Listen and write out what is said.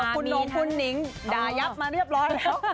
ผู้นุ่มคุณนิงดายัพย์มาเรียบร้อยแล้ว